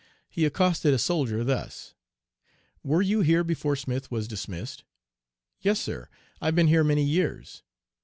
He accosted a soldier thus: "'Were you here before Smith was dismissed?' "'Yes, sir; I've been here many years.'